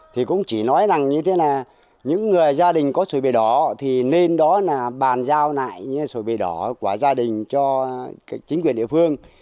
thì cũng chỉ nói rằng như thế là những người gia đình có sổ bề đỏ thì nên đó là bàn giao lại sổ bề đỏ của gia đình cho chính quyền địa phương